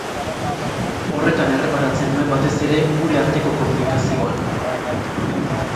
Horretan erreparatzen nuen batez ere, gure arteko komunikazioan.